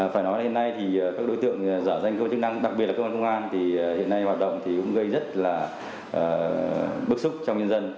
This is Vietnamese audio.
phải nói là hiện nay thì các đối tượng giả danh cơ quan chức năng đặc biệt là cơ quan công an thì hiện nay hoạt động thì cũng gây rất là bức xúc trong nhân dân